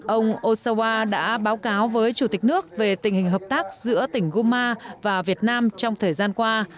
ông osawa đã báo cáo với chủ tịch nước về tình hình hợp tác giữa tỉnh guma và việt nam trong thời gian qua